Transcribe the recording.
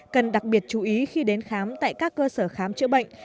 cần đặc biệt chú ý khi đến khám tại các cơ sở khám chữa bệnh